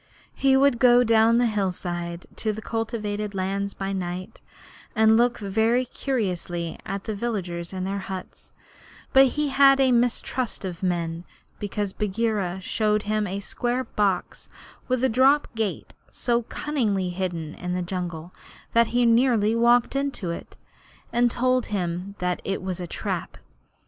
He would go down the hillside into the cultivated lands by night, and look very curiously at the villagers in their huts, but he had a mistrust of men because Bagheera showed him a square box with a drop gate so cunningly hidden in the jungle that he nearly walked into it, and told him that it was a trap.